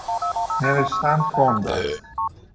نوشتن کند است